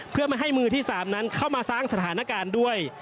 เพื่อไม่ให้มือที่๓นั้นเข้ามาสร้างสถานการณ์ด้วย